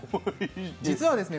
実はですね